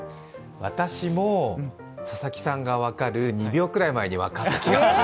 私もー、佐々木さんが分かる２秒くらい前に分かった気がする。